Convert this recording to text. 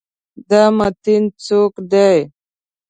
دا متین څوک دی؟